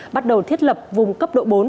bắt đầu thiết lập vùng cấp độ bốn